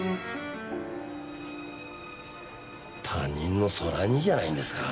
他人の空似じゃないんですか？